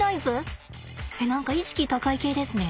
えっ何か意識高い系ですね。